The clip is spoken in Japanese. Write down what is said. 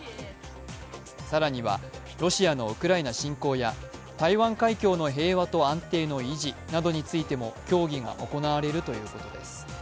更には、ロシアのウクライナ侵攻や台湾海峡の平和と安定の維持などについても協議が行われるということです。